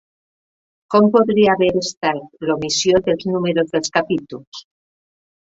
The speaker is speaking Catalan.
Com podria haver estat l'omissió dels números dels capítols?